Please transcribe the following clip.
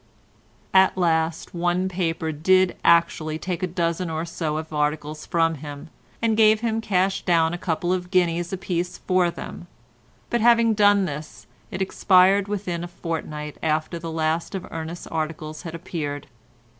At last one paper did actually take a dozen or so of articles from him, and gave him cash down a couple of guineas apiece for them, but having done this it expired within a fortnight after the last of Ernest's articles had appeared.